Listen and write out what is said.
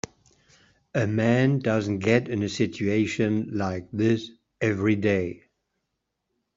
A man doesn't get in a situation like this every day.